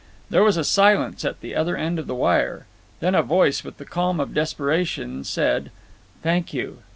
There was a silence at the other end of the wire. Then a voice, with the calm of desperation, said: "Thank you."